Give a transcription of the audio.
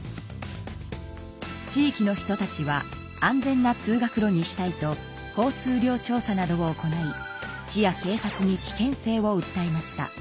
地域の人たちは安全な通学路にしたいと交通量調査などを行い市やけい察に危険性をうったえました。